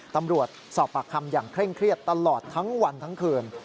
ตำรวจสอบปากคำอย่างเคร่งเครียดตลอดทั้งวันทั้งคืน